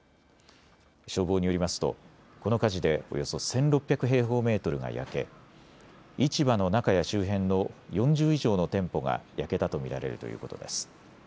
消防によりますとこの火事でおよそ１６００平方メートルが焼け市場の中や周辺の４０以上の店舗が焼けたと見られるということです。